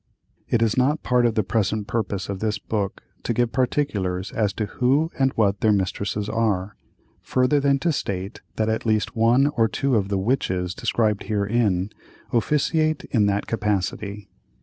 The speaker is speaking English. It is not part of the present purpose of this book to give particulars as to who and what their mistresses are, further than to state that at least one or two of the "Witches" described herein, officiate in that capacity.